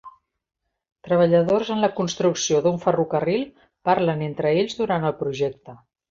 Treballadors en la construcció d'un ferrocarril parlen entre ells durant el projecte.